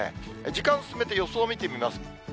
時間進めて予想見てみます。